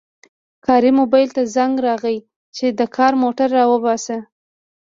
کاري موبایل ته زنګ راغی چې د کار موټر راوباسه